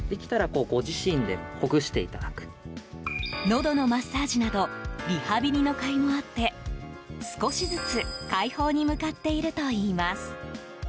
のどのマッサージなどリハビリのかいもあって少しずつ快方に向かっているといいます。